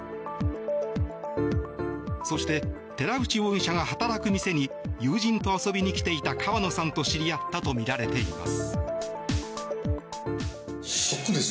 そして、寺内容疑者が働く店に友人と遊びに来ていた川野さんと知り合ったとみられています。